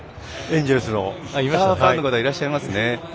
エンジェルスファンの方いらっしゃいますね。